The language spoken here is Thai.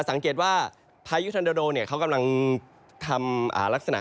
สังเกตว่าพายุทันโดเนี่ยเขากำลังทำลักษณะ